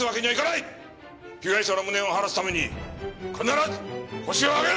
被害者の無念を晴らすために必ずホシを挙げる！